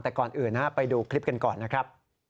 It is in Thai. แต่ก่อนอื่นไปดูคลิปกันก่อนนะครับ